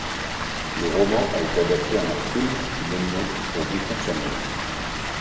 Le roman a été adapté en un film du même nom pour Disney Channel.